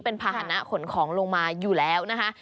เป็นภาษณะขนของลงมาอยู่แล้วนะคะ